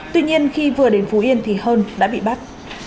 tuy nhiên khi vừa đến phú yên thì hơn đã bị bắt